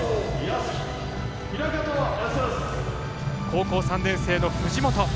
高校３年生の藤本。